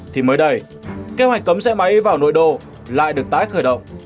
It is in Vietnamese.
thì mới đây kế hoạch cấm xe máy vào nội đô lại được tái khởi động